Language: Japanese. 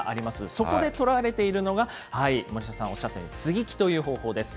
そこで取られているのが、森下さんおっしゃったように接ぎ木という方法です。